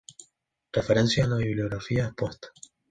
Referencias en la bibliografía expuesta.